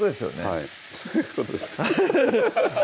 はいそういうことです